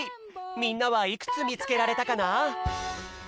みんなはいくつみつけられたかな？